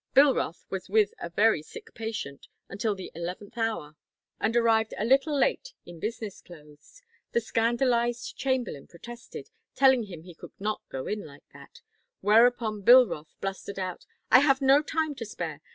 Bilroth was with a very sick patient until the eleventh hour and arrived a little late in business clothes. The scandalised chamberlain protested, telling him he could not go in like that. Whereupon Bilroth blustered out: 'I have no time to spare.